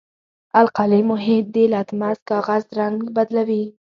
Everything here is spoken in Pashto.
القلي محیط د لتمس کاغذ رنګ بدلوي.